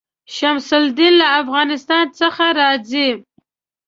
شمس الدین له افغانستان څخه راځي.